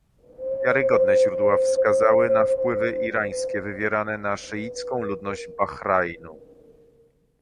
Wiarygodne źródła wskazały na wpływy irańskie wywierane na szyicką ludność Bahrajnu